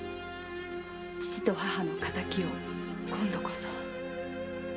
父と母の敵を今度こそ。